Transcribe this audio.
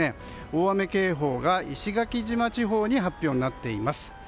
大雨警報が石垣島地方に発表になっています。